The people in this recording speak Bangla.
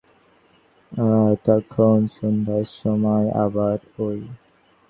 কাল যখন তুমি গয়না বেচতে দিলে তখন সন্ধ্যার সময় আবার ওর কাছে গেলুম।